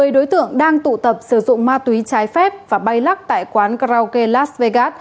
một mươi đối tượng đang tụ tập sử dụng ma túy trái phép và bay lắc tại quán karaoke las vegas